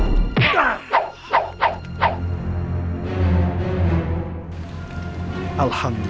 berpindah dan mendidik